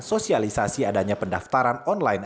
sosialisasi adanya pendaftaran online